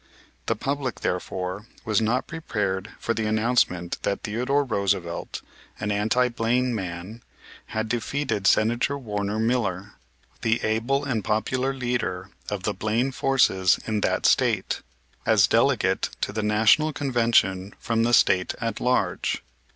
The public, therefore, was not prepared for the announcement that Theodore Roosevelt, an anti Blaine man, had defeated Senator Warner Miller, the able and popular leader of the Blaine forces in that State, as delegate to the National Convention from the State at large.